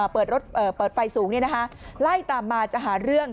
เปิดไฟสูงไล่ตามมาจะหาเรื่อง